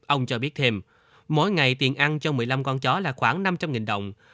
ông cho biết thêm mỗi ngày tiền ăn cho một mươi năm con chó là khoảng năm trăm linh đồng